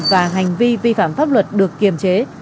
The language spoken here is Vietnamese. và hành vi vi phạm pháp luật được kiềm chế